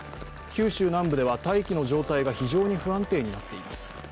九州南部では大気の状態が非常に不安定になっています。